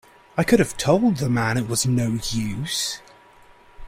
I could have told the man it was no use.